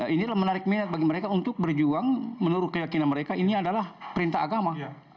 ini adalah menarik minat bagi mereka untuk berjuang menurut keyakinan mereka ini adalah perintah agama